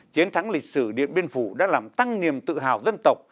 chiến thắng lịch sử điện biên phủ đã làm tăng niềm tự hào dân tộc